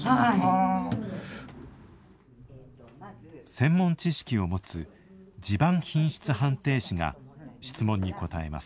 専門知識を持つ「地盤品質判定士」が質問に答えます。